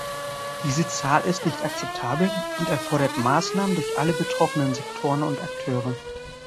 Diese Zahl ist nicht akzeptabel und erfordert Maßnahmen durch alle betroffenen Sektoren und Akteure.